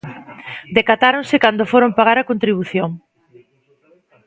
Decatáronse cando foron pagar a contribución.